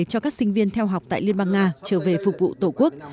cho các sinh viên theo học tại liên bang nga trở về phục vụ tổ quốc